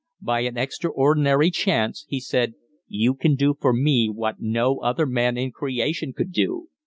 "By an extraordinary chance," he said, "you can do for me what no other man in creation could do.